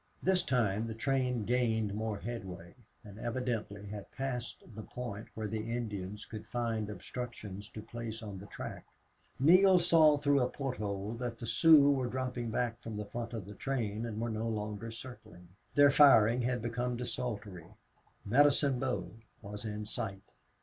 This time the train gained more headway, and evidently had passed the point where the Indians could find obstructions to place on the track. Neale saw through a port hole that the Sioux were dropping back from the front of the train and were no longer circling. Their firing had become desultory. Medicine Bow was in sight.